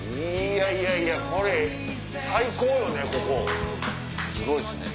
いやいやいやこれ最高よね